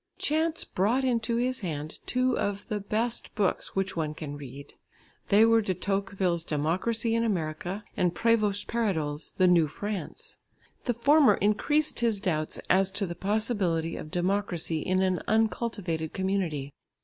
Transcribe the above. Chance brought into his hand two of "the best books which one can read." They were De Tocqueville's Democracy in America and Prévost Paradol's The New France. The former increased his doubts as to the possibility of democracy in an uncultivated community.